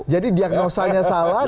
jadi diagnosanya salah